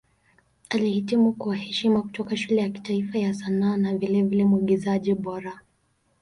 Alihitimu kwa heshima kutoka Shule ya Kitaifa ya Sanaa na vilevile Mwigizaji Bora.